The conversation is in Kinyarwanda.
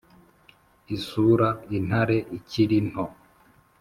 isura intare ikiri nto